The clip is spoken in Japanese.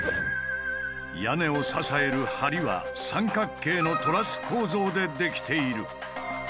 屋根を支える梁は三角形のトラス構造でできている。